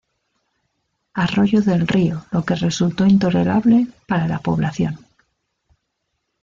Arroyo del Río lo que resultó intolerable para la población.